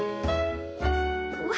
うわ。